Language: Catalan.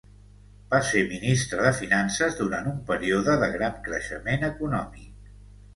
Va ser ministre de Finances durant un període de gran creixement econòmic.